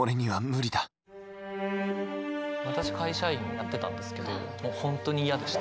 私会社員やってたんですけどもう本当に嫌でした。